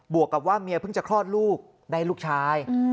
วกกับว่าเมียเพิ่งจะคลอดลูกได้ลูกชาย